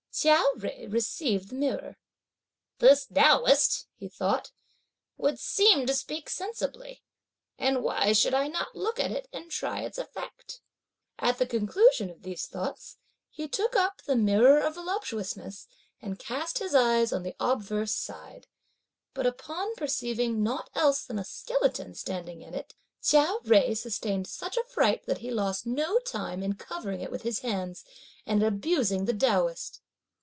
Chia Jui received the mirror. "This Taoist," he thought, "would seem to speak sensibly, and why should I not look at it and try its effect?" At the conclusion of these thoughts, he took up the Mirror of Voluptuousness, and cast his eyes on the obverse side; but upon perceiving nought else than a skeleton standing in it, Chia Jui sustained such a fright that he lost no time in covering it with his hands and in abusing the Taoist.